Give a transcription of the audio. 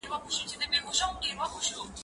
زه به د کتابتون لپاره کار کړي وي،